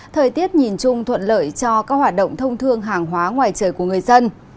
thời tiết nhìn chung thuận lợi cho các hoạt động thông thương hàng hóa ngoài trời của người dân